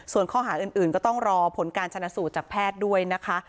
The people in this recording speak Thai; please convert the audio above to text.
ส่วนข้อหาอื่นก็ต้องรอผลการชนะสูตรจากแพทย์ด้วยนะคะ